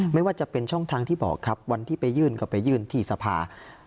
ไม่ว่าจะเป็นช่องทางที่บอกครับวันที่ไปยื่นก็ไปยื่นที่สภา